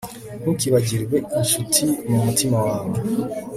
ntukibagirwe incuti mu mutima wawe